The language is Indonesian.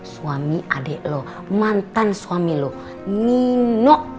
suami adik lo mantan suami lo nino